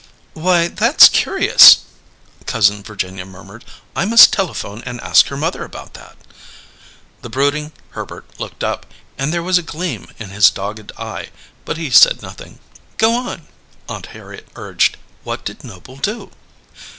"Why, that's curious," Cousin Virginia murmured. "I must telephone and ask her mother about that." The brooding Herbert looked up, and there was a gleam in his dogged eye; but he said nothing. "Go on," Aunt Harriet urged. "What did Noble do?"